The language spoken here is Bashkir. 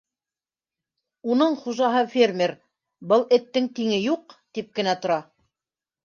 Уның хужаһы фермер, был эттең тиңе юҡ, тип кенә тора!